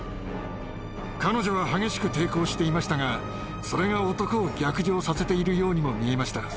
彼女は激しく抵抗していましたがそれが男を逆上させているようにも見えました。